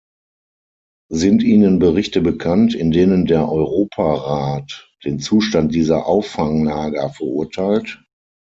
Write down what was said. Sind Ihnen Berichte bekannt, in denen der Europarat den Zustand dieser Auffanglager verurteilt?